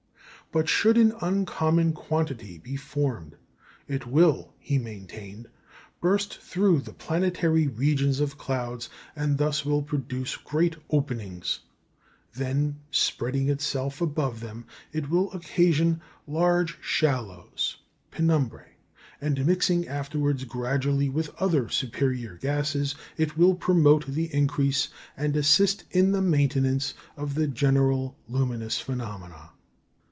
But should an uncommon quantity be formed, "it will," he maintained, "burst through the planetary regions of clouds, and thus will produce great openings; then, spreading itself above them, it will occasion large shallows (penumbræ), and mixing afterwards gradually with other superior gases, it will promote the increase, and assist in the maintenance, of the general luminous phenomena."